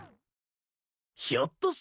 ひょっとしてよ